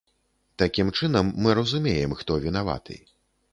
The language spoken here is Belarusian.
Такім чынам, мы разумеем, хто вінаваты.